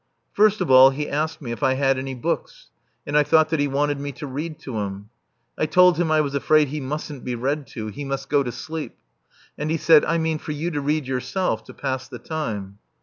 First of all he asked me if I had any books, and I thought that he wanted me to read to him. I told him I was afraid he mustn't be read to, he must go to sleep. And he said: "I mean for you to read yourself to pass the time."